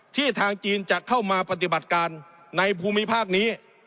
ทางจีนจะเข้ามาปฏิบัติการในภูมิภาคนี้